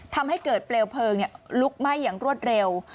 ทำให้เกิดเปลวเพลิงลุกไหม้อย่างรวดเร็ว